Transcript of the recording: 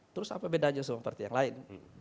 terus apa beda aja sama partai yang lain